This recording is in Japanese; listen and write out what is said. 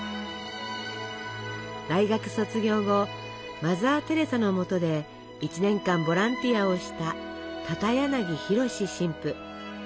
大学卒業後マザー・テレサのもとで１年間ボランティアをした片柳弘史神父。